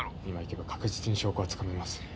今行けば確実に証拠はつかめます。